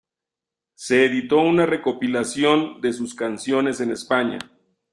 Se editó una recopilación de sus canciones en España.